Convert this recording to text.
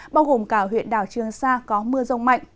bao gồm cả huyện đảo trường sa có mưa rông mạnh